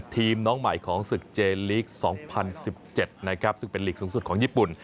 น้องใหม่ของศึกเจลีก๒๐๑๗นะครับซึ่งเป็นลีกสูงสุดของญี่ปุ่น